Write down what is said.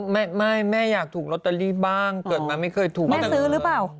ไม่ไม่แม่อยากถูกลอตเตอรี่บ้างเกิดมาไม่เคยถูกแม่ก็ซื้อหรือเปล่า